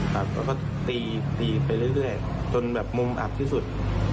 ครับแล้วก็ตีไปเรื่อยจนมุมอับที่สุด